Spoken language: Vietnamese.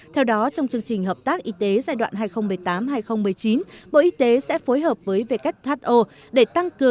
theo đó trong chương trình hợp tác y tế giai đoạn hai nghìn một mươi tám hai nghìn một mươi chín bộ y tế sẽ phối hợp với who